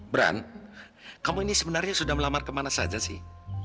brand kamu ini sebenarnya sudah melamar kemana saja sih